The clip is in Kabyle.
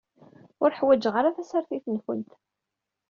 Ur ḥwaǧeɣ ara tasertit-nkent.